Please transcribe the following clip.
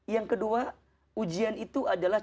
yang kedua ujian itu adalah